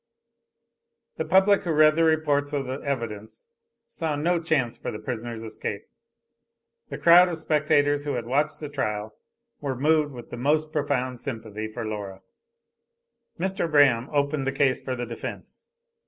The public who read the reports of the evidence saw no chance for the prisoner's escape. The crowd of spectators who had watched the trial were moved with the most profound sympathy for Laura. Mr. Braham opened the case for the defence.